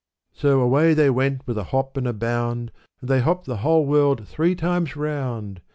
So away they went with a hop and a bound; And they hopped the whole world three times round.